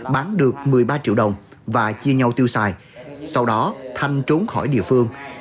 bán được một mươi ba triệu đồng và chia nhau tiêu xài sau đó thanh trốn khỏi địa phương